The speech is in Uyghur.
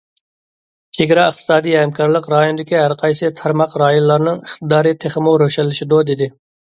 چېگرا ئىقتىسادىي ھەمكارلىق رايونىدىكى ھەرقايسى تارماق رايونلارنىڭ ئىقتىدارى تېخىمۇ روشەنلىشىدۇ، دېدى.